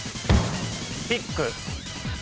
ピック。